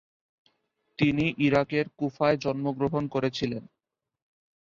তিনি ইরাকের কুফায় জন্মগ্রহণ করেছিলেন।